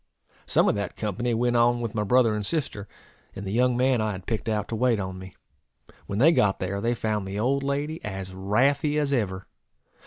Some of that company went on with my brother and sister, and the young man I had picked out to wait on me. When they got there, they found the old lady as wrathy as ever.